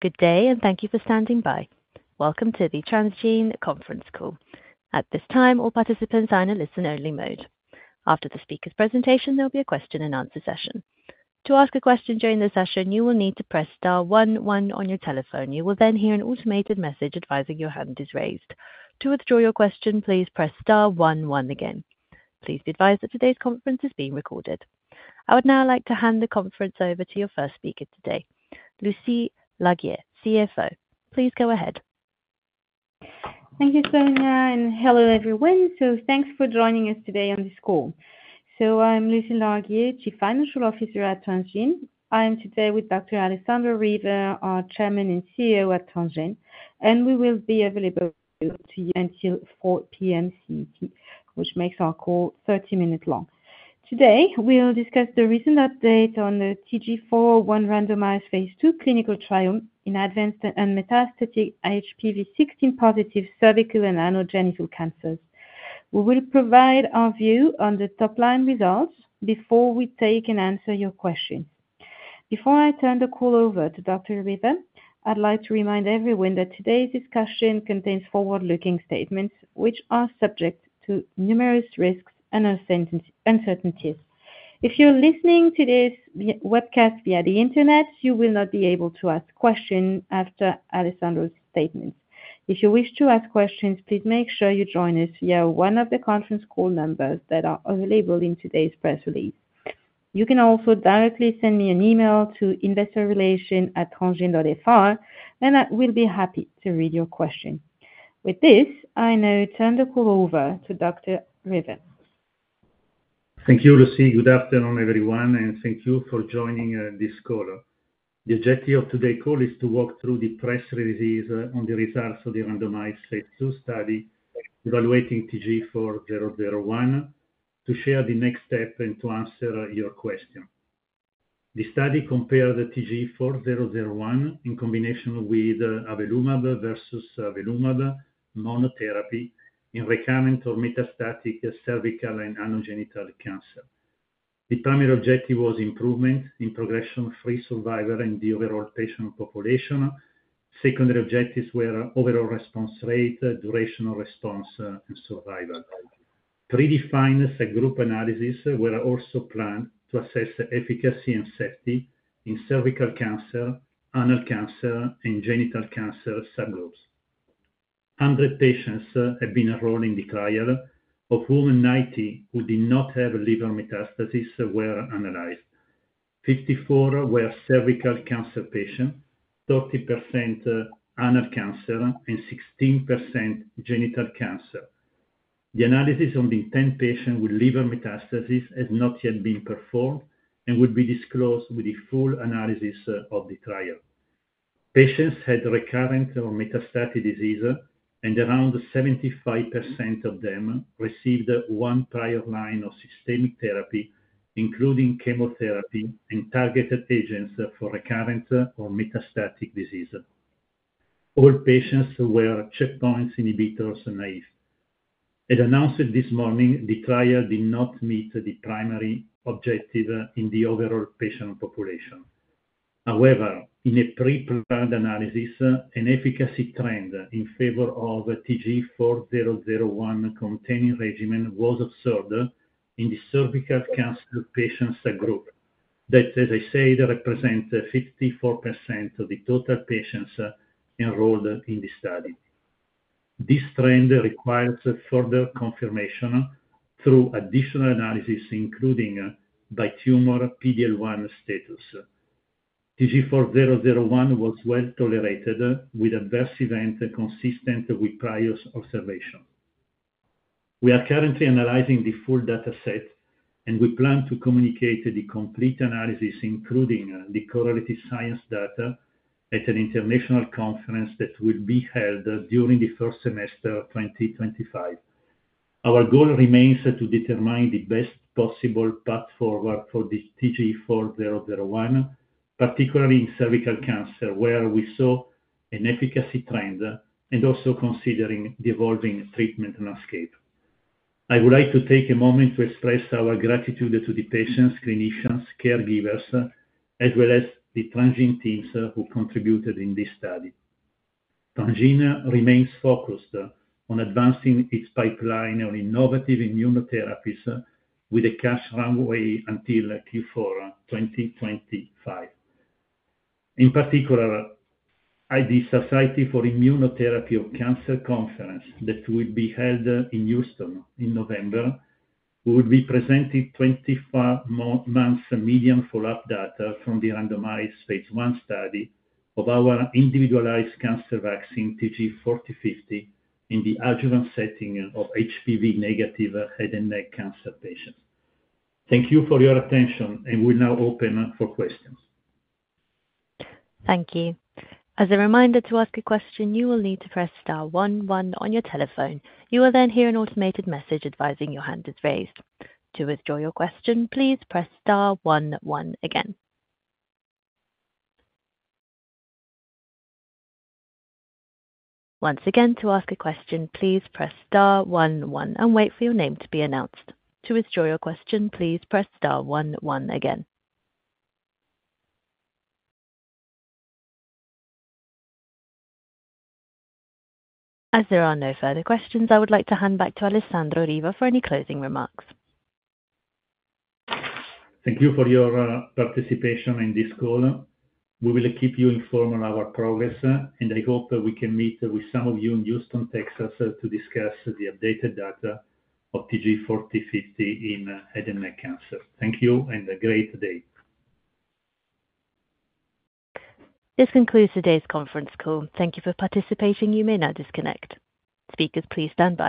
Good day, and thank you for standing by. Welcome to the Transgene conference call. At this time, all participants are in a listen-only mode. After the speaker's presentation, there'll be a question-and-answer session. To ask a question during the session, you will need to press star one one on your telephone. You will then hear an automated message advising your hand is raised. To withdraw your question, please press star one one again. Please be advised that today's conference is being recorded. I would now like to hand the conference over to your first speaker today, Lucie Larguier, CFO. Please go ahead. Thank you, Sonia, and hello, everyone. Thanks for joining us today on this call. I'm Lucie Larguier, Chief Financial Officer at Transgene. I am today with Dr. Alessandro Riva, our Chairman and CEO at Transgene, and we will be available to you until 4:00 P.M. CET, which makes our call 30 minutes long. Today, we'll discuss the recent update on the TG4001 randomized phase 2 clinical trial in advanced and metastatic HPV-16-positive cervical and anogenital cancers. We will provide our view on the top line results before we take and answer your question. Before I turn the call over to Dr. Riva, I'd like to remind everyone that today's discussion contains forward-looking statements, which are subject to numerous risks and uncertainties. If you're listening to this live webcast via the Internet, you will not be able to ask questions after Alessandro's statements. If you wish to ask questions, please make sure you join us via one of the conference call numbers that are available in today's press release. You can also directly send me an email to investor.relations@transgene.fr, and I will be happy to read your question. With this, I now turn the call over to Dr. Riva. Thank you, Lucie. Good afternoon, everyone, and thank you for joining this call. The objective of today's call is to walk through the press release on the results of the randomized phase two study, evaluating TG4001, to share the next step and to answer your question. The study compared the TG4001 in combination with avelumab versus avelumab monotherapy in recurrent or metastatic cervical and anogenital cancer. The primary objective was improvement in progression-free survival in the overall patient population. Secondary objectives were overall response rate, duration of response, and survival. Predefined subgroup analyses were also planned to assess the efficacy and safety in cervical cancer, anal cancer, and genital cancer subgroups. 100 patients have been enrolled in the trial, of whom 90 who did not have liver metastasis were analyzed. 54% were cervical cancer patients, 30% anal cancer, and 16% genital cancer. The analysis on the 10 patients with liver metastasis has not yet been performed and will be disclosed with the full analysis of the trial. Patients had recurrent or metastatic disease, and around 75% of them received one prior line of systemic therapy, including chemotherapy and targeted agents for recurrent or metastatic disease. All patients were checkpoint inhibitors naive. As announced this morning, the trial did not meet the primary objective in the overall patient population. However, in a preplanned analysis, an efficacy trend in favor of TG4001-containing regimen was observed in the cervical cancer patients group. That, as I said, represent 54% of the total patients enrolled in the study. This trend requires further confirmation through additional analysis, including by tumor PD-L1 status. TG4001 was well tolerated, with adverse events consistent with prior observations. We are currently analyzing the full dataset, and we plan to communicate the complete analysis, including the correlative science data, at an international conference that will be held during the first semester of 2025. Our goal remains to determine the best possible path forward for the TG4001, particularly in cervical cancer, where we saw an efficacy trend and also considering the evolving treatment landscape. I would like to take a moment to express our gratitude to the patients, clinicians, caregivers, as well as the Transgene teams who contributed in this study. Transgene remains focused on advancing its pipeline of innovative immunotherapies with a cash runway until Q4 2025. In particular, at the Society for Immunotherapy of Cancer conference that will be held in Houston in November, we will be presenting twenty-four-month median follow-up data from the randomized phase one study of our individualized cancer vaccine, TG4050, in the adjuvant setting of HPV-negative head and neck cancer patients. Thank you for your attention, and we'll now open up for questions. Thank you. As a reminder, to ask a question, you will need to press star one one on your telephone. You will then hear an automated message advising your hand is raised. To withdraw your question, please press star one one again. Once again, to ask a question, please press star one one and wait for your name to be announced. To withdraw your question, please press star one one again. As there are no further questions, I would like to hand back to Alessandro Riva for any closing remarks. Thank you for your participation in this call. We will keep you informed on our progress, and I hope that we can meet with some of you in Houston, Texas, to discuss the updated data of TG4050 in head and neck cancer. Thank you and a great day. This concludes today's conference call. Thank you for participating. You may now disconnect. Speakers, please stand by.